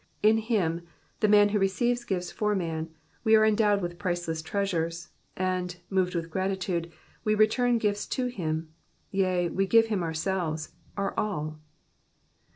In him, the man who received gifts for man, we are endowed with priceless treasures, and, moved with gratitude, we return gifts to him, yea, we give him ourselves, our all.